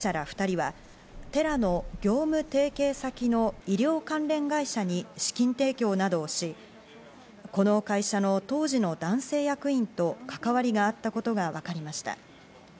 その後の捜査関係者への取材で、久保田容疑者ら２人はテラの業務提携先の医療関連会社に資金提供などをし、この会社の当時の男性役員と関わりがあったことがわかりました。